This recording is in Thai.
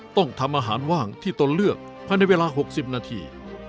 ต้องทำอาหารว่างที่ตนเลือกภายในเวลา๖๐นาที